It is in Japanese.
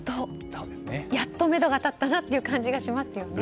やっとめどが立ったなという感じがしますね。